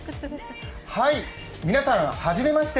皆さん、初めまして。